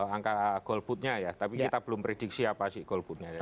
angka golputnya ya tapi kita belum prediksi apa sih golputnya ya